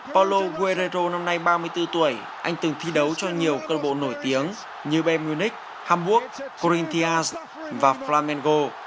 paulo vieirero năm nay ba mươi bốn tuổi anh từng thi đấu cho nhiều cơ bộ nổi tiếng như bayern munich hamburg corinthians và flamengo